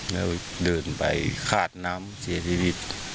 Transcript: เนี่ยก็เดินไปขาดน้ำเสียชีวิต